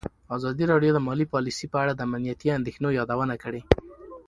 ازادي راډیو د مالي پالیسي په اړه د امنیتي اندېښنو یادونه کړې.